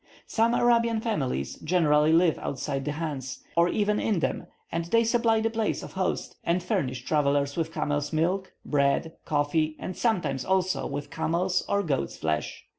Some Arabian families generally live outside the chans, or even in them, and they supply the place of host, and furnish travellers with camel's milk, bread, coffee, and sometimes, also, with camel's or goat's flesh.